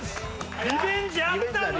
リベンジあったんだ！